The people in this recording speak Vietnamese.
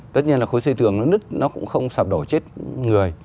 tất nhiên là khối xây tường nó nứt nó cũng không sạp đổ chết người